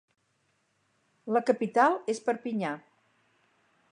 La capital és Perpinyà.